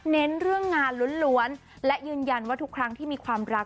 เน้นเรื่องงานล้วนและยืนยันว่าทุกครั้งที่มีความรัก